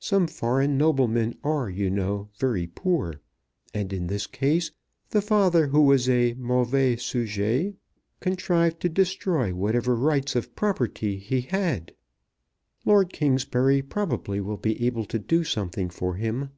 Some foreign noblemen are, you know, very poor; and in this case the father, who was a "mauvais sujet," contrived to destroy whatever rights of property he had. Lord Kingsbury probably will be able to do something for him.